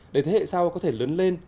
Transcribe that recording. để thế hệ sau có thể lớn lên